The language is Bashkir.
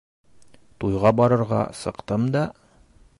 Туйға барырға сыҡтым да...